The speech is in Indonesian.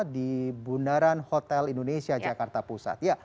di bundaran hotel indonesia jakarta pusat